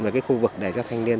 một cái khu vực để cho thanh niên